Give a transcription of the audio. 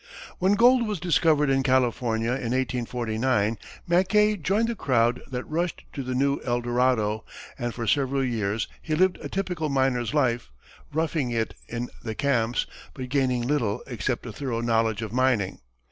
When gold was discovered in California in 1849, Mackay joined the crowd that rushed to the new El Dorado, and for several years, he lived a typical miner's life, roughing it in the camps, but gaining little except a thorough knowledge of mining.